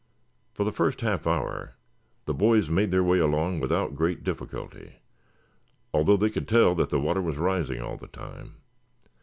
For the first half hour the boys made their way along without great difficulty, though they could tell that the water was rising all the time.